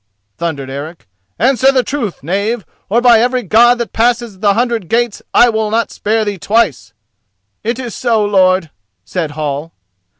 thundered Eric—"answer the truth, knave, or by every God that passes the hundred gates I will not spare thee twice!" "It is so, lord," said Hall.